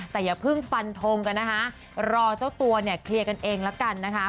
แต่อย่าเพิ่งฟันทงกันนะคะรอเจ้าตัวเนี่ยเคลียร์กันเองละกันนะคะ